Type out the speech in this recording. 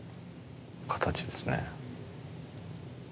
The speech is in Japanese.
形ですね。